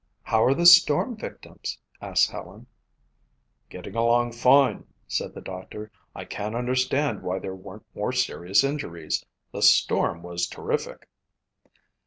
"How are all the storm victims?" asked Helen. "Getting along fine," said the doctor. "I can't understand why there weren't more serious injuries. The storm was terrific."